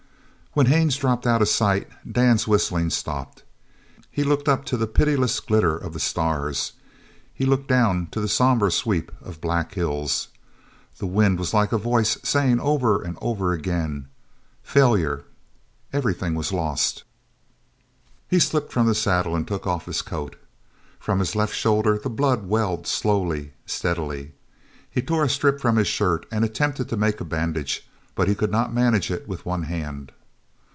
When Haines dropped out of sight, Dan's whistling stopped. He looked up to the pitiless glitter of the stars. He looked down to the sombre sweep of black hills. The wind was like a voice saying over and over again: "Failure." Everything was lost. He slipped from the saddle and took off his coat. From his left shoulder the blood welled slowly, steadily. He tore a strip from his shirt and attempted to make a bandage, but he could not manage it with one hand.